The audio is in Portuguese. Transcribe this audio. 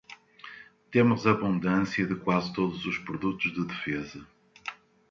Temos abundância de quase todos os produtos de defesa.